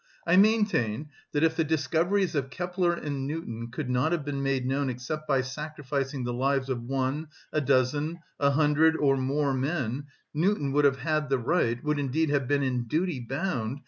I maintain that if the discoveries of Kepler and Newton could not have been made known except by sacrificing the lives of one, a dozen, a hundred, or more men, Newton would have had the right, would indeed have been in duty bound...